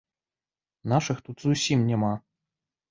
Нашых тут зусім няма.